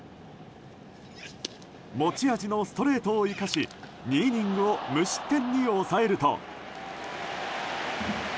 持ち味のストレートを生かし２イニングを無失点に抑えると。